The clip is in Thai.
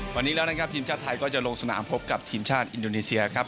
วันนี้แล้วนะครับทีมชาติไทยก็จะลงสนามพบกับทีมชาติอินโดนีเซียครับ